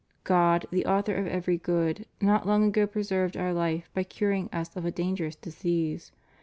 God, the author of every good, not long ago preserved Our life by curing Us of a dangerous disease.